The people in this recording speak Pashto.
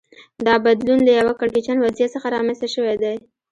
دا بدلون له یوه کړکېچن وضعیت څخه رامنځته شوی دی